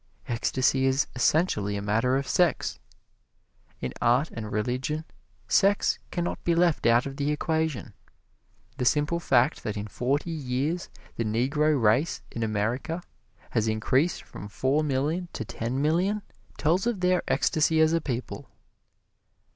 Ecstasy is essentially a matter of sex. In art and religion sex can not be left out of the equation. The simple fact that in forty years the Negro race in America has increased from four million to ten million tells of their ecstasy as a people.